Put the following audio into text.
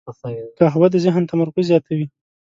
قهوه د ذهن تمرکز زیاتوي